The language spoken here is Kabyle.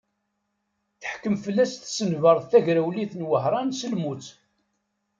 Teḥkem fell-as tsenbert tagrawliwt n Wehṛan s lmut.